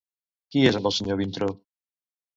Qui és amb el senyor Vintró?